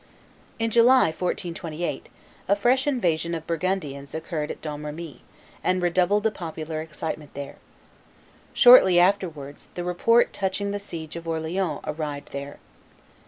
In July, 1428, a fresh invasion of Burgundians occurred at Domremy, and redoubled the popular excitement there. Shortly afterwards, the report touching the siege of Orleans arrived there.